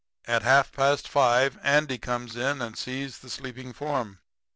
"At half past 5 Andy comes in and sees the sleeping form.